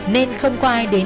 nên không thể tìm được